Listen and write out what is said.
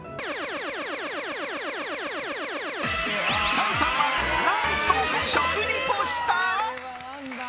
チャンさんは何と食リポした？